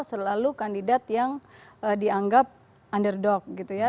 selalu kandidat yang dianggap underdog gitu ya